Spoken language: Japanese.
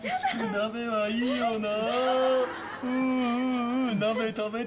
鍋はいいな。